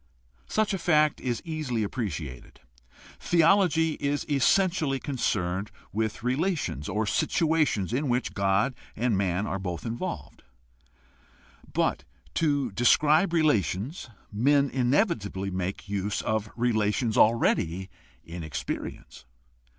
Such a fact is easily appreciated. Theology is essentially concerned with relations or situations in which man and God are both involved. But to describe relations men inevitably make use of relations already in experience.